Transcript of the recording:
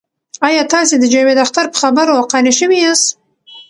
آیا تاسې د جاوید اختر په خبرو قانع شوي یاست؟